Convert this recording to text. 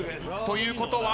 ということは？